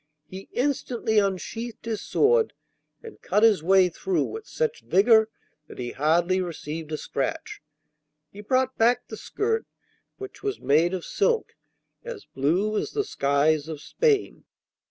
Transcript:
He instantly unsheathed his sword and cut his way through with such vigour that he hardly received a scratch. He brought back the skirt, which was made of silk as blue as the skies of Spain.